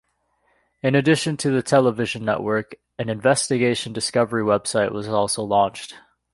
In addition to the television network, an Investigation Discovery website was also launched.